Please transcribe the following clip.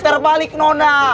eh terbalik nona